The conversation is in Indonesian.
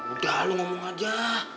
udah lo ngomong aja